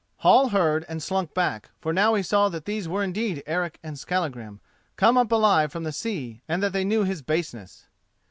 Hall heard and slunk back, for now he saw that these were indeed Eric and Skallagrim come up alive from the sea, and that they knew his baseness.